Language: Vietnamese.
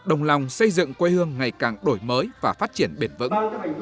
đồng lòng xây dựng quê hương ngày càng đổi mới và phát triển bền vững